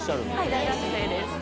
大学生です。